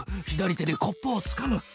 左手でコップをつかむ。